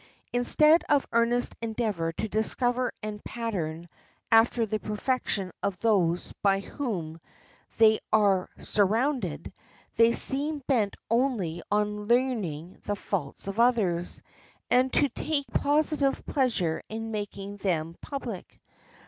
Instead of earnest endeavor to discover and pattern after the perfection of those by whom they are surrounded, they seem bent only on learning the faults of others, and to take positive pleasure in making them public.